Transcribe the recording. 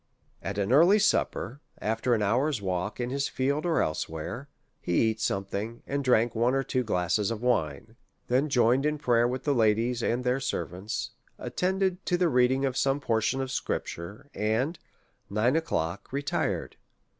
At an early supper, after an hour's walk in his field or elsewhere, he eat something, and drank one or two glasses of wine ; then joined in prayer with the ladies and their servants, attended to the reading of some portion of Scripture, and, at nine o'clock, retir ed.